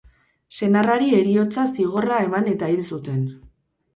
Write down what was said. Senarrari heriotza zigorra eman eta hil zuten.